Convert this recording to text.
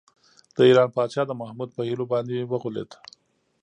د ایران پادشاه د محمود په حيلو باندې وغولېد.